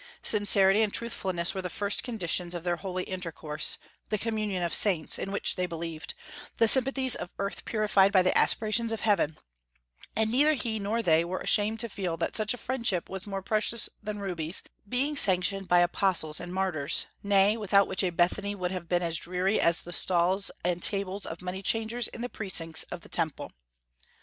Sincerity and truthfulness were the first conditions of their holy intercourse, "the communion of saints," in which they believed, the sympathies of earth purified by the aspirations of heaven; and neither he nor they were ashamed to feel that such a friendship was more precious than rubies, being sanctioned by apostles and martyrs; nay, without which a Bethany would have been as dreary as the stalls and tables of money changers in the precincts of the Temple.